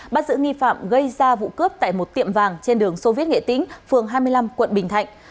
bắt giữ nghi phạm gây ra vụ cướp tại một tiệm vàng trên đường sô viết nghệ tĩnh phường hai mươi năm quận bình thạnh